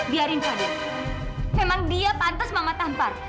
biarkan fadhil memang dia yang pantas mama tampar